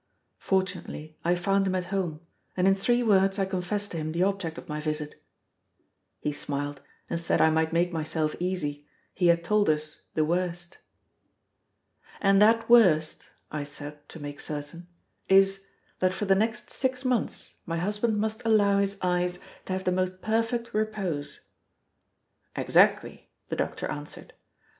Fortunately, I found him at home, and in three words I confessed to him the object of my visit. He smiled, and said I might make myself easy; he had told us the worst. "And that worst," I said, to make certain, "is, that for the next six months my husband must allow his eyes to have the most perfect repose?" "Exactly," the doctor answered.